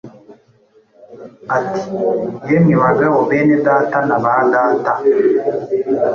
ati, ‘Yemwe bagabo bene Data na ba data